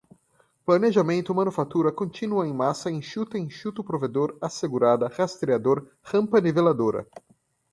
planejamento manufatura contínua em massa enxuta enxuto provedor assegurada rastreador rampa niveladora